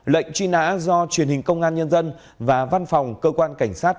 lệnh truy nã do truyền hình công an nhân dân và văn phòng cơ quan cảnh sát